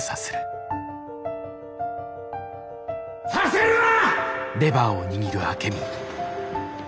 させるな！